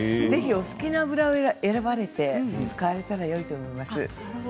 ぜひ、お好きな油を選ばれて使われたらいいと思います。